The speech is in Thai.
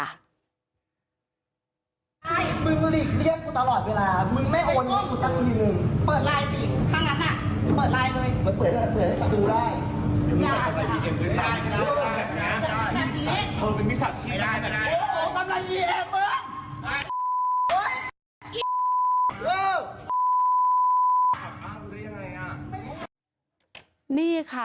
แป๊บอ้านได้อย่างไรอ่ะ